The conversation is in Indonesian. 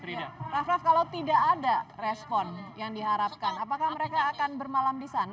raff raff kalau tidak ada respon yang diharapkan apakah mereka akan bermalam di sana